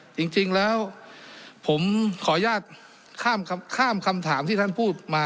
จริงแล้วผมขออนุญาตข้ามคำถามที่ท่านพูดมา